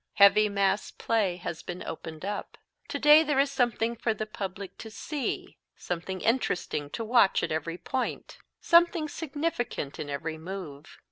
Heavy mass play has been opened up. To day there is something for the public to see; something interesting to watch at every point; something significant in every move.